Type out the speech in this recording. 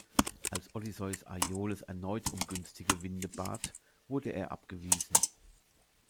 Als Odysseus Aiolos erneut um günstige Winde bat, wurde er abgewiesen.